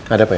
ada apa ya